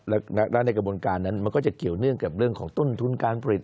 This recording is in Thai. และในกระบวนการนั้นมันก็จะเกี่ยวเนื่องกับเรื่องของต้นทุนการผลิต